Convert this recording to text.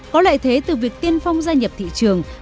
có lợi thế từ việc tiên phong gia nhập thị trường